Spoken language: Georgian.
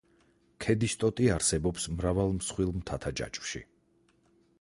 ქედის ტოტი არსებობს მრავალ მსხვილ მთათა ჯაჭვში.